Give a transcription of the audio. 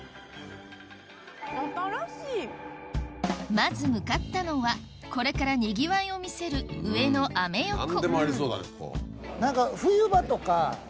まず向かったのはこれからにぎわいを見せる安く。